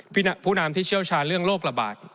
ผู้นำที่เชี่ยวชาญเรื่องโรคระบาด